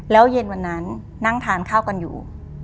แล้วเย็นวันนั้นนั่งทานข้าวกันอยู่